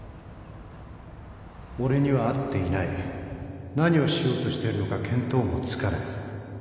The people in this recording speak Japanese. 「俺には会っていない」「何をしようとしてるのか見当もつかない」